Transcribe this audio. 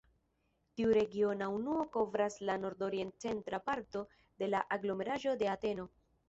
Tiu regiona unuo kovras la nordorient-centran parton de la aglomeraĵo de Ateno.